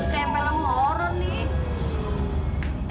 kayak film horor nih